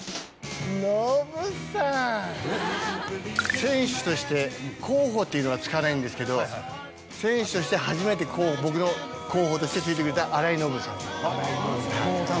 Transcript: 選手として広報というのは付かないんですけど選手として初めて僕の広報として付いてくれた荒井のぶさん。